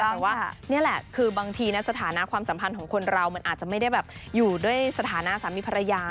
แต่ว่านี่แหละคือบางทีสถานะความสัมพันธ์ของคนเรามันอาจจะไม่ได้แบบอยู่ด้วยสถานะสามีภรรยา